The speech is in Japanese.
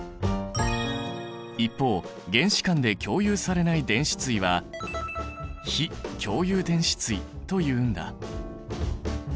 一方原子間で共有されない電子対は非共有電子対というんだ。